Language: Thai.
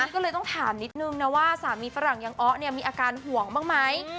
ก็เลยต้องถามนิดนึงนะว่าสามีฝรั่งยังอ๊อเนี่ยมีอาการห่วงบ้างไหม